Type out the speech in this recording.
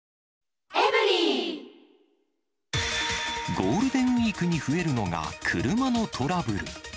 ゴールデンウィークに増えるのが、車のトラブル。